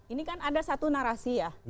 ini kan ada satu narasi ya